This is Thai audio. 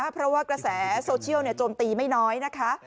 เพราะว่ากระแสโซเชียลโจมตีไม่น้อยนะคะ